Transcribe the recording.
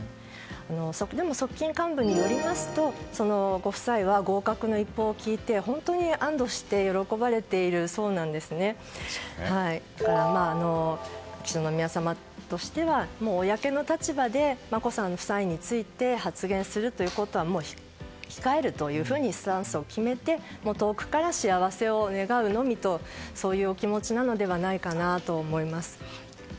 でも、側近幹部によりますとご夫妻は合格の一報を聞いて本当に安どして喜ばれているそうなんですね。秋篠宮さまとしては公の立場で眞子さん夫妻について発言することは控えるというスタンスを決めて遠くから幸せを願うのみとそういうお気持ちなのではないかなと思います。